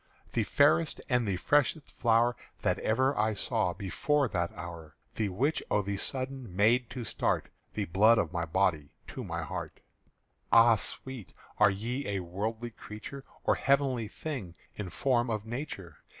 "_The fairest and the freshest flower That ever I saw before that hour, The which o' the sudden made to start The blood of my body to my heart._ _Ah sweet, are ye a worldly creature Or heavenly thing in form of nature?